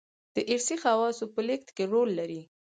دارثي خواصو په لېږد کې رول لري.